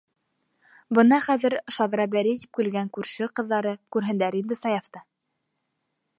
Бына хәҙер «шаҙра бәрей» тип көлгән күрше ҡыҙҙары күрһендәр инде Саяфты!